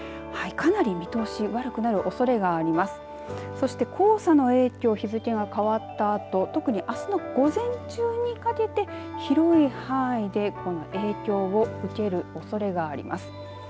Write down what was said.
そして黄砂の影響日付が変わったあと特にあすの午前中にかけて広い範囲でこの影響を受けるおそれがあります。